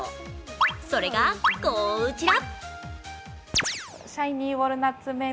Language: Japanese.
それがこちら。